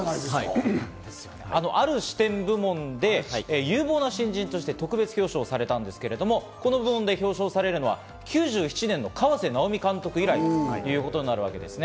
ある視点部門で有望な新人として特別表彰されたんですが、この部門で表彰されるのは、９７年の河瀬直美監督以来っていうことになるわけです。